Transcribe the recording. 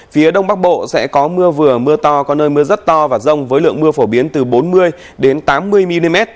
phía đông bắc bộ sẽ có mưa vừa mưa to có nơi mưa rất to và rông với lượng mưa phổ biến từ bốn mươi tám mươi mm